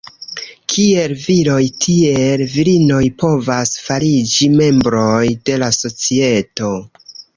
Kiel viroj tiel virinoj povas fariĝi membroj de la societo.